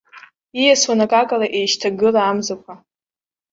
Ииасуан акакала еишьҭагыла амзақәа.